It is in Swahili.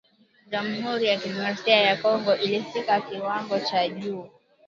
jamuhuri ya kidemokrasia ya Kongo ilifikia kiwango cha juu